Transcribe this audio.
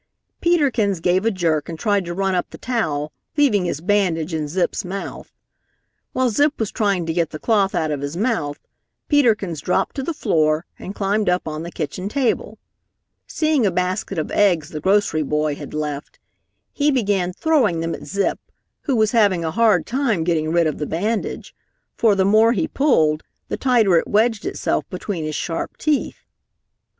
Peter Kins gave a jerk and tried to run up the towel, leaving his bandage in Zip's mouth. While Zip was trying to get the cloth out of his mouth, Peter Kins dropped to the floor and climbed up on the kitchen table. Seeing a basket of eggs the grocery boy had left, he began throwing them at Zip, who was having a hard time getting rid of the bandage, for the more he pulled, the tighter it wedged itself between his sharp teeth.